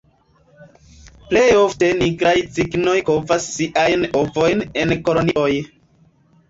Plej ofte Nigraj cignoj kovas siajn ovojn en kolonioj.